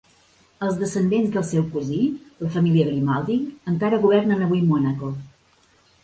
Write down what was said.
Els descendents del seu cosí, la família Grimaldi, encara governen avui Mònaco.